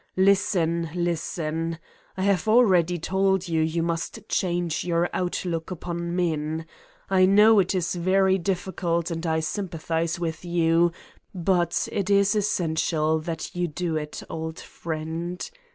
Listen ! Listen ! I have already told you you must change your out look upon men. I know it is very difficult and I sympathize with you, but it is essential that you do it, old friend.